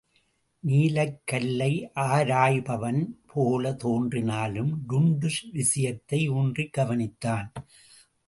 நீலக்கல்லை ஆராய்பவன் போலத் தோன்றினாலும், டுண்டுஷ் விஷயத்தை ஊன்றிக் கவனித்தான்.